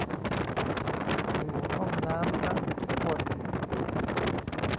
อยู่ห้องน้ำนะทุกคน